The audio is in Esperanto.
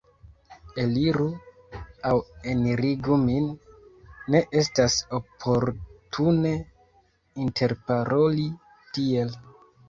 Eliru aŭ enirigu min, ne estas oportune interparoli tiel!